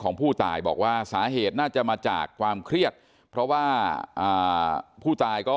ของผู้ตายบอกว่าสาเหตุน่าจะมาจากความเครียดเพราะว่าอ่าผู้ตายก็